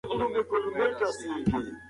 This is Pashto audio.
د معلوماتو خوندیتوب مهم بلل کېږي.